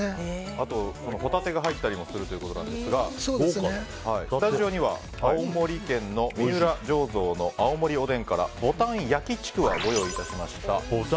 あと、ホタテが入ったりもするということですがスタジオには青森県の三浦醸造の青森おでんからぼたん焼きちくわをご用意いたしました。